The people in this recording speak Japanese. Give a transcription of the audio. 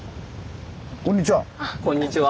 こんにちは。